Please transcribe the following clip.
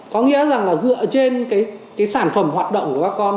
có nghĩa rằng là dựa trên cái sản phẩm hoạt động của các con